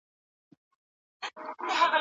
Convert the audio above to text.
نمک خور دي له عمرونو د دبار یم